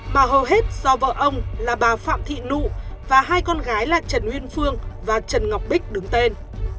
mà hầu hết do vợ ông là bà phạm thị nụ và hai con gái là trần uyên phương và trần ngọc bích đứng tên